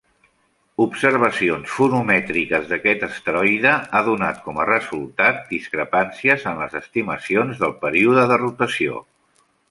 Observacions fonomètriques d'aquest asteroide ha donat com a resultat discrepàncies en les estimacions del període de rotació.